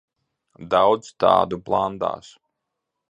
Daudz tādu blandās.